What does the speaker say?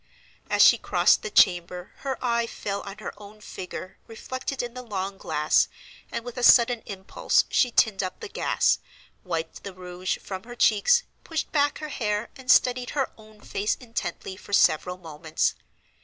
As she crossed the chamber her eye fell on her own figure reflected in the long glass, and with a sudden impulse she tinned up the gas, wiped the rouge from her cheeks, pushed back her hair, and studied her own face intently for several moments.